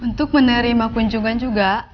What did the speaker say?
untuk menerima kunjungan juga